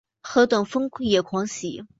何等疯野狂喜？